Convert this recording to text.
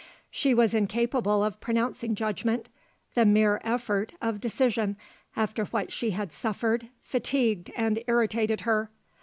She was incapable of pronouncing judgment; the mere effort of decision, after what she had suffered, fatigued and irritated her.